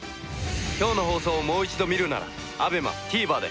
今日の放送をもう一度見るならＡＢＥＭＡＴＶｅｒで。